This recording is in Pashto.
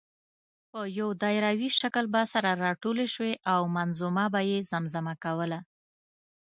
په یو دایروي شکل به سره راټولې شوې او منظومه به یې زمزمه کوله.